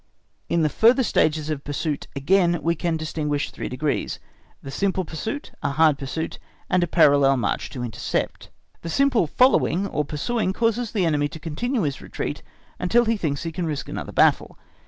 In the further stages of pursuit, again, we can distinguish three degrees: the simple pursuit, a hard pursuit, and a parallel march to intercept. The simple following or pursuing causes the enemy to continue his retreat, until he thinks he can risk another battle.